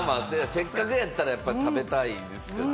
せっかくやったら食べたいですよね。